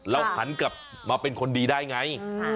หันกลับมาเป็นคนดีได้ไง